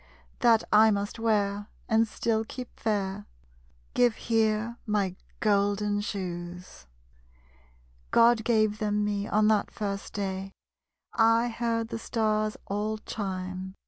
That I must wear, and still keep fair. Give here my golden shoes. _God gave them me, on that first day I heard the Stars all chime.